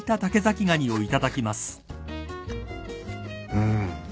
うん。